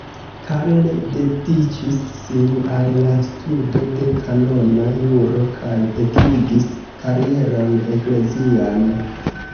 Karl dediĉis sin al la studo de kanona juro kaj ekigis karieron eklezian.